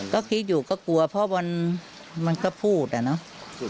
ก็คิดอยู่ก็กลัวเพราะมันก็พูดอะเนาะ